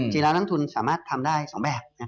จริงแล้วนักทุนสามารถทำได้๒แบบ